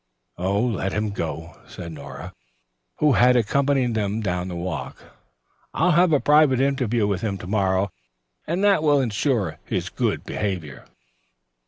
"Oh, let him go," said Nora, who had accompanied them down the walk. "I'll have a private interview with him to morrow and that will insure his good behavior."